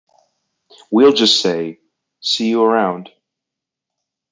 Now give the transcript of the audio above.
We'll just say, 'see you around.